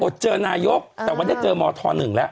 เจอนายกแต่วันนี้เจอมธ๑แล้ว